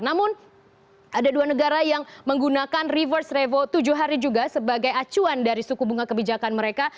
namun ada dua negara yang menggunakan reverse revo tujuh hari juga sebagai acuan dari suku bunga kebijakan mereka